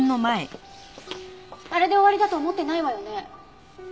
あれで終わりだと思ってないわよね？